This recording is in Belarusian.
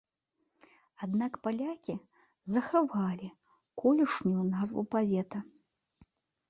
Аднак палякі захавалі колішнюю назву павета.